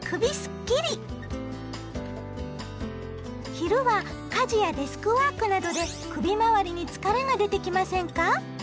昼は家事やデスクワークなどで首まわりに疲れが出てきませんか？